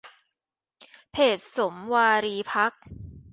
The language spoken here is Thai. เพจสมวารีพักตร์